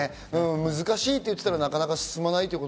難しいって言ってたらなかなか進まない。